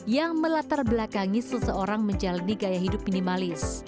yang melatar belakangi seseorang menjalani gaya hidup minimalis